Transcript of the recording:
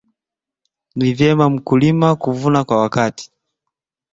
ni vyema mkulima kuvuna kwa wakati